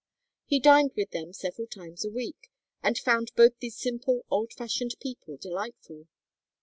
He dined with them several times a week, and found both these simple old fashioned people delightful.